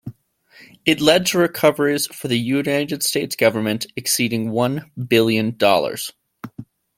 It led to recoveries for the United States Government exceeding one billion dollars.